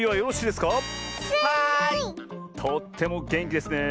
とってもげんきですねえ。